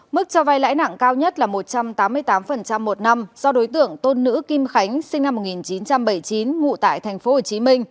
mức cho vay lãi nặng cao nhất là một trăm tám mươi tám một năm do đối tượng tôn nữ kim khánh sinh năm một nghìn chín trăm bảy mươi chín ngụ tại tp hcm